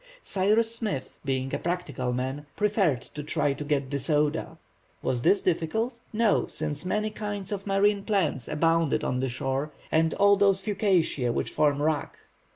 Cyrus Smith, being a practical man, preferred to try to get the soda. Was this difficult? No, since many kinds of marine plants abounded on the shore, and all those fucaceæ which form wrack.